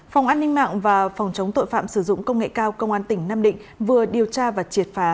phòng an ninh mạng và phòng chống tội phạm sử dụng công nghệ cao công an tỉnh nam định vừa điều tra và triệt phá